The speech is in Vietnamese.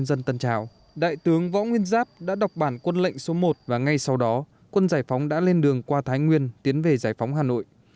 dân tân trào đại tướng võ nguyên giáp đã đọc bản quân lệnh số một và ngay sau đó quân giải phóng đã lên đường qua thái nguyên tiến về giải phóng hà nội